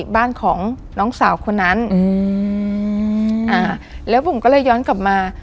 บ้านของน้องสาวคนนั้นอืมอ่าแล้วบุ๋มก็เลยย้อนกลับมา